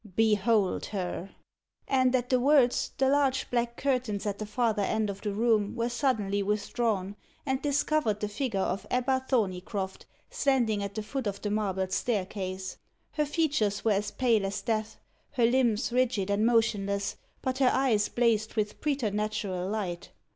Behold her!" And at the words, the large black curtains at the farther end of the room were suddenly withdrawn, and discovered the figure of Ebba Thorneycroft standing at the foot of the marble staircase. Her features were as pale as death; her limbs rigid and motionless; but her eyes blazed with preternatural light.